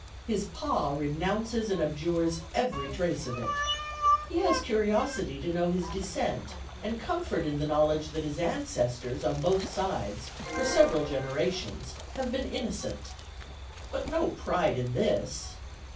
His Pa renounces and abjures every trace of it. He has curiosity to know his descent and comfort in the knowledge that his ancestors, on both sides, for several generations, have been innocent. But no pride in this.